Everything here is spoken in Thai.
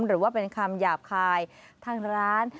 หรือว่าเป็นคำหยาบคายทางร้าน